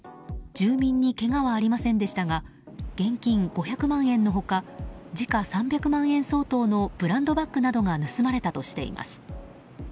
住民にけがはありませんでしたが現金５００万円の他時価３００万円相当のブランドバッグなどが盗まれたとしています。